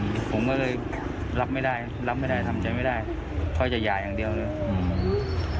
ผมก็เลยรับไม่ได้รับไม่ได้ทำใจไม่ได้เพราะจะหย่าอย่างเดียวเลยอืม